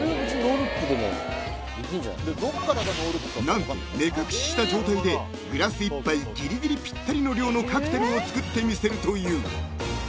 ［何と目隠しした状態でグラス一杯ぎりぎりぴったりの量のカクテルを作ってみせるという］